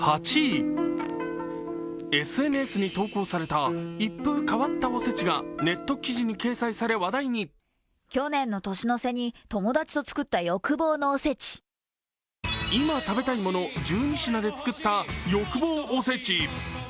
ＳＮＳに投稿された一風変わったおせちかネット記事に掲載され、話題に今食べたいもの１２品で作った欲望おせち。